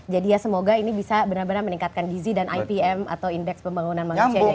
jadi ya semoga ini bisa benar benar meningkatkan gizi dan ipm atau indeks pembangunan manusia indonesia